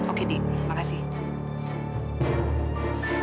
oke di makasih